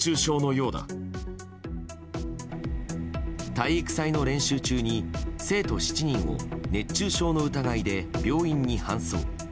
体育祭の練習中に生徒７人を熱中症の疑いで病院に搬送。